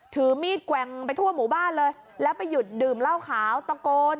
ถือมีดแกว่งไปทั่วหมู่บ้านเลยแล้วไปหยุดดื่มเหล้าขาวตะโกน